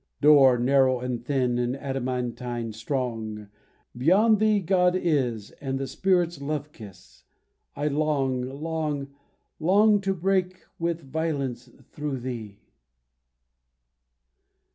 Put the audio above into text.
Door narrow and thin And adamantine strong, Beyond thee God is And the spirit's love kiss ; I long, long, long To break with violence through thee